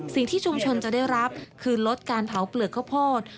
สิ่งที่ชุมชนจะได้รับคือลดการเผาเปลือกข้าวโพด